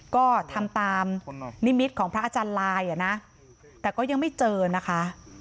ก็ทำตามนิมิตของพระอาจารย์ลายอ่ะนะแต่ก็ยังไม่เจอนะคะ